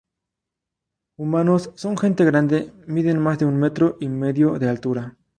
Humanos: Son gente grande, miden más de un metro y medio de altura.